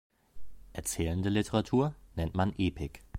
Erzählende Literatur nennt man Epik.